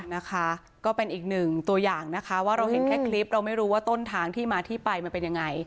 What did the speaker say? นะคะก็เป็นอีกหนึ่งตัวอย่างนะคะว่าเราเห็นแค่คลิปเราไม่รู้ว่าต้นทางที่มาที่ไปมันเป็นยังไง